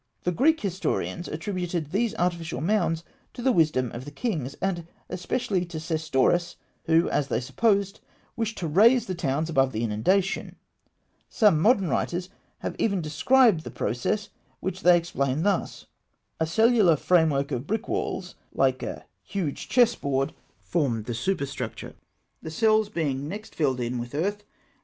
The Greek historians attributed these artificial mounds to the wisdom of the kings, and especially to Sesostris, who, as they supposed, wished to raise the towns above the inundation. Some modern writers have even described the process, which they explain thus: A cellular framework of brick walls, like a huge chess board, formed the substructure, the cells being next filled in with earth, and the houses built upon this immense platform (Note 5). [Illustration: Fig.